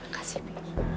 terima kasih bi